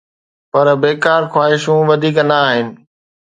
پر بيڪار خواهشون وڌيڪ نه آهن.